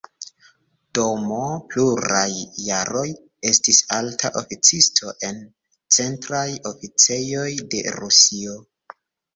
Dm pluraj jaroj estis alta oficisto en centraj oficejoj de Rusio.